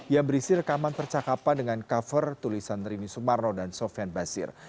yang berisi rekaman percakapan dengan cover tulisan rini sumarno dan sofian basir